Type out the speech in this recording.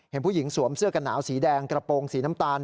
เห็นผู้หญิงสวมเสื้อกันหนาวสีแดงกระโปรงสีน้ำตาล